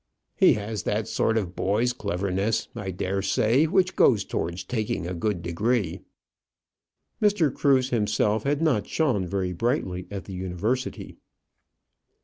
"He has that sort of boy's cleverness, I dare say, which goes towards taking a good degree." Mr. Cruse himself had not shone very brightly at the University.